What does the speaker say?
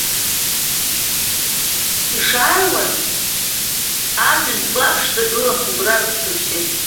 Ишааиуаз, амҩан ҵла ԥшӡак гылан, убра рыԥсыршьет.